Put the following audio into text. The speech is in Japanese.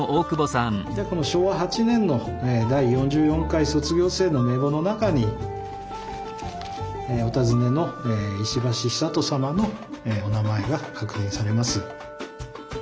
でこの昭和８年の第四十四回卒業生の名簿の中にお尋ねの石橋久渡様のお名前が確認されます。